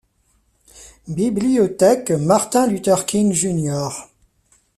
Bibliothèque Martin Luther King Jr.